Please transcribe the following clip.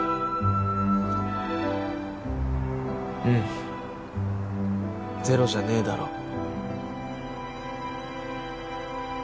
うんゼロじゃねえだろ